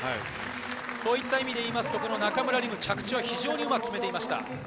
そういった意味で言うと、中村輪夢の着地は非常にうまく決めていました。